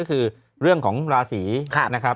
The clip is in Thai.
คือเรื่องของราศุภาสึริ